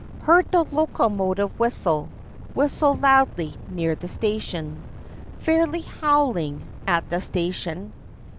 Heard the locomotive whistle, Whistle loudly, near the station— Fairly howling, at the station.